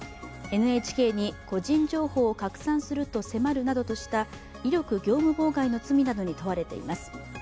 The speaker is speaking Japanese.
ＮＨＫに個人情報を拡散すると迫るなどとした威力業務妨害の罪などに問われています。